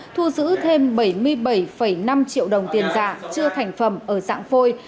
thu giữ thêm bảy mươi bảy năm triệu đồng tiền giả chưa thành phẩm ở dạng phôi